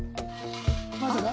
まさか。